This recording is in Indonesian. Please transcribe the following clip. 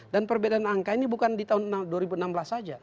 dan perbedaan angka ini bukan di tahun dua ribu enam belas saja